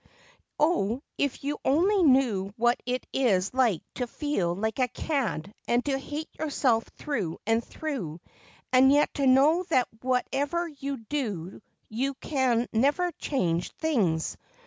Oh, if you only knew what it is like to feel like a cad and to hate yourself through and through and yet to know that whatever you do you can never change things!